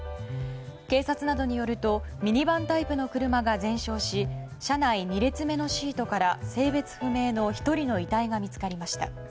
警察などによるとミニバンタイプの車が全焼し車内２列目のシートから性別不明の１人の遺体が見つかりました。